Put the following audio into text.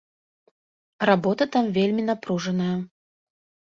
Работа там вельмі напружаная.